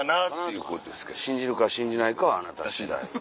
信じるか信じないかはあなた次第。